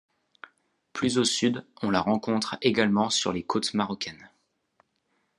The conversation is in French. Plus au sud, on la rencontre également sur les côtes marocaines.